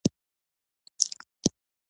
د ماشومانو لپاره د ورځې ورزش اړین دی.